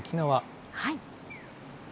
はい。